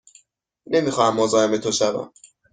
نمی خواهم مزاحم تو شوم.